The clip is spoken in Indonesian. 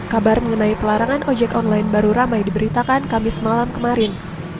kabar mengenai pelarangan ojek online baru ramai diberitakan kamis malam kemarin